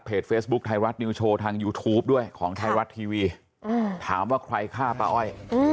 เฟซบุ๊คไทยรัฐนิวโชว์ทางยูทูปด้วยของไทยรัฐทีวีถามว่าใครฆ่าป้าอ้อย